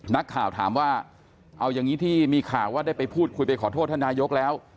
นักข่าวถามว่าเอาอย่างนี้ที่มีข่าวว่าได้ไปพูดคุยไปขอโทษท่านนายกแล้ว